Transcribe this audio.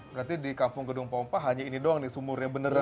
berarti di kampung gedung pompah hanya ini doang sumur yang beneran